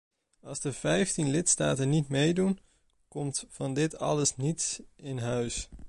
Als de vijftien lidstaten niet meedoen, komt van dit alles niets in huis.